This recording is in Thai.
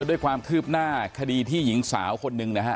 ด้วยความคืบหน้าคดีที่หญิงสาวคนหนึ่งนะฮะ